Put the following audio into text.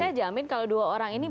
saya jamin kalau dua orang ini